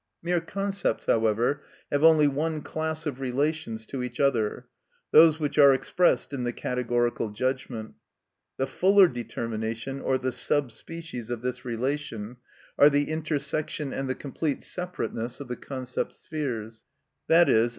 Mere concepts, however, have only one class of relations to each other, those which are expressed in the categorical judgment. The fuller determination, or the sub species of this relation, are the intersection and the complete separateness of the concept spheres, _i.e.